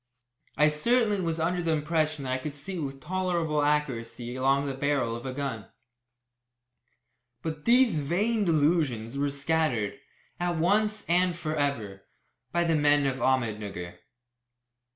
I certainly was under the impression that I could see with tolerable accuracy along the barrel of a gun. But these vain delusions were scattered, at once and for ever, by the men of Ahmednugger.